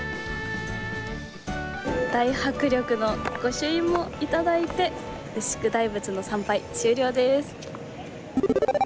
大迫力の御朱印もいただいて牛久大仏の参拝、終了です。